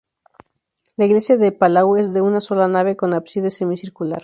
La iglesia de Palau es de una sola nave con ábside semicircular.